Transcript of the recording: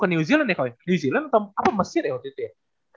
new zealand atau mesir ya waktu itu ya